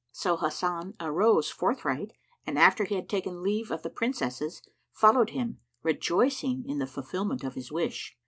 So Hasan arose forthright and after he had taken leave of the Princesses followed him, rejoicing in the fulfilment of his wish.